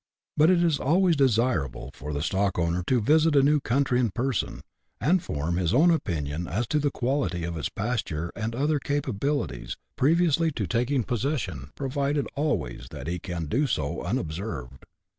But it is always desir able for the stock owner to visit a new country in person, and form his own opinion as to the quality of its pasture, and other capabilities, previously to taking possession, provided always that he can do so unobserved.